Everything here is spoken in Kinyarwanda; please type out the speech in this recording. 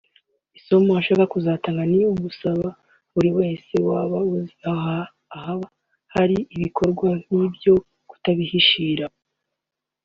Isomo ashaka kuzatanga; ni ugusaba buri wese waba uzi ahaba hari ibikorwa nk’ibyo kutabihishira